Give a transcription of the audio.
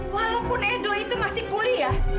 walaupun edo itu masih kuliah